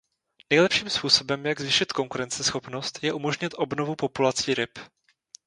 Nejlepším způsobem, jak zvýšit konkurenceschopnost, je umožnit obnovu populací ryb.